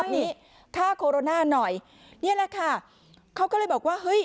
นี้ฆ่าโคโรนาหน่อยนี่แหละค่ะเขาก็เลยบอกว่าเฮ้ย